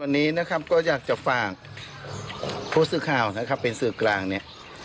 วันนี้นะครับก็อยากจะฝากผู้สื่อข่าวนะครับเป็นสื่อกลางเนี่ย